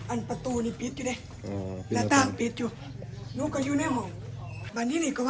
อันดับสุดท้ายก็คืออันดับสุดท้าย